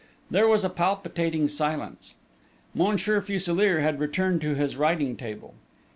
There was a palpitating silence. Monsieur Fuselier had returned to his writing table.